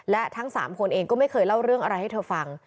และทั้ง๓คนเองก็ไม่เคยเล่าเรื่องอะไรให้เธอฟัง